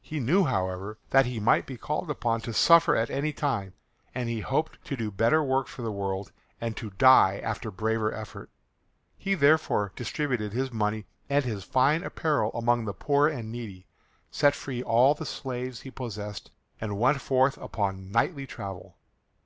He knew, however, that he might be called upon to suffer at any time, and he hoped to do better work for the world and to die after braver effort. He therefore distributed his money and his fine apparel among the poor and needy, set free all the slaves he possessed, and went forth upon knightly travel.